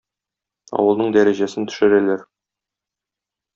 Авылның дәрәҗәсен төшерәләр.